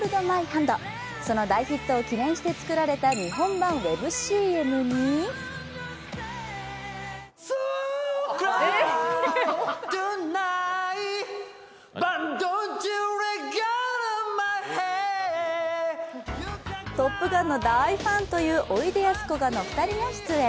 その大ヒットを記念して作られた日本版ウェブＣＭに「トップガン」の大ファンというおいでやすこがのお二人が出演。